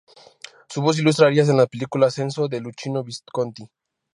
Su voz ilustra arias en la película "Senso" de Luchino Visconti.